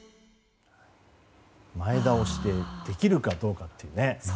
前倒しでできるかどうかっていうね。